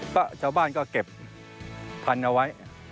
เพราะชาวบ้านก็เก็บพันธุ์เอาไว้